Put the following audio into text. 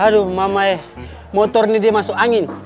aduh mamai motornya dia masuk angin